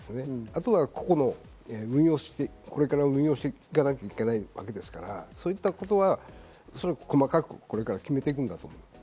あとは個々に運用していかなきゃいけないわけですから、そういったことはおそらくこれから決めていくんだと思います。